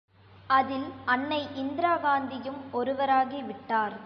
அதில், அன்னை இந்திராகாந்தியும் ஒருவராகிவிட்டார்.